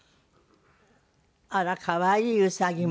あら可愛いウサギも。